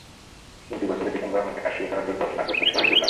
চলতি বছরের ডিসেম্বরের মধ্যে কাজ শুরু করার পরিকল্পনা করেছে সওজ বিভাগ।